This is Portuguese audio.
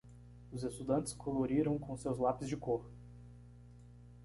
Os estudantes coloriram com seus lápis de cor.